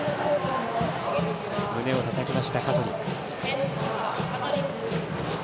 胸をたたきました、香取。